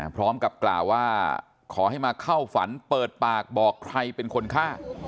พร้อมกับกล่าวว่าขอให้มาเข้าฝันเปิดปากบอกใครเป็นคนฆ่า